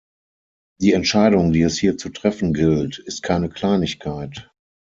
Die Entscheidung, die es hier zu treffen gilt, ist keine Kleinigkeit.